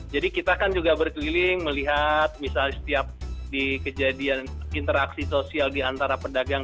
jadi kita kan juga berkeliling melihat misalnya setiap di kejadian interaksi sosial diantara pedagang